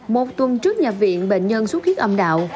một tuần trước nhà viện bệnh nhân suốt huyết âm đạo